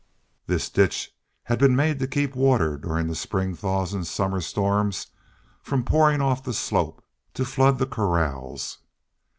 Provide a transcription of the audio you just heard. This ditch had been made to keep water, during spring thaws and summer storms, from pouring off the slope to flood the corrals.